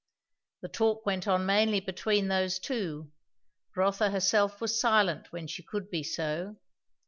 The talk went on mainly between those two. Rotha herself was silent when she could be so.